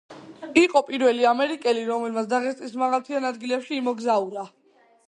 იყო პირველი ამერიკელი, რომელმაც დაღესტნის მაღალმთიან ადგილებში იმოგზაურა.